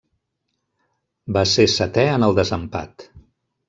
Va ser setè en el desempat.